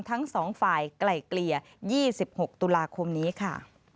ทั้งสองฝ่ายไกล่เกลี่ย๒๖ตุลาคมนี้ค่ะ